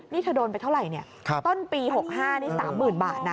นี่เธอโดนไปเท่าไหร่เนี่ยต้นปี๖๕นี่๓๐๐๐บาทนะ